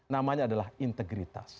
namanya adalah integritas